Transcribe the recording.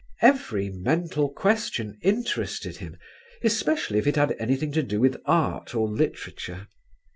Every mental question interested him, especially if it had anything to do with art or literature.